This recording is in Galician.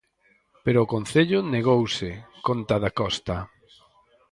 "Pero o concello negouse", conta Dacosta.